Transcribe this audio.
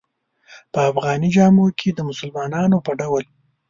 په افغاني جامو کې د مسلمانانو په ډول.